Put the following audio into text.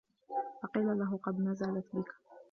فَقِيلَ لَهُ قَدْ نَزَلَتْ بِك